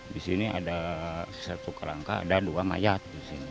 di sini ada satu kerangka ada dua mayat